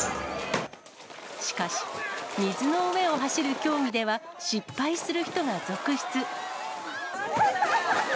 しかし、水の上を走る競技では、失敗する人が続出。